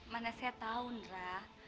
mana saya tahu ndra